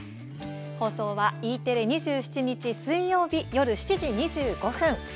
放送は、Ｅテレ、２７日水曜日、夜７時２５分。